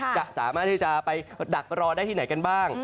สามารถที่จะไปดักรอได้ที่ไหนกันบ้าง